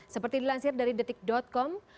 seperti dilansir dari detik com